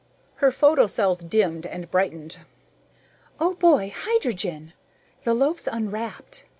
Her photocells dimmed and brightened. "Oh, boy hydrogen! The loaf's unwrapped.